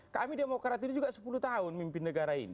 kami demokrat ini juga sepuluh tahun mimpin negara ini